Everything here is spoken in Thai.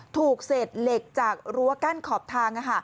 ถูกเศษเหล็กจากรั้วกั้นขอบทาง